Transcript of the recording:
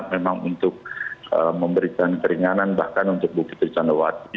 memang untuk memberikan keringanan bahkan untuk bu putri candrawati